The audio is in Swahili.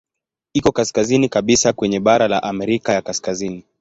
Iko kaskazini kabisa kwenye bara la Amerika ya Kaskazini.